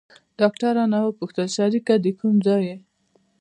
ډاکتر رانه وپوښتل شريکه د کوم ځاى يې.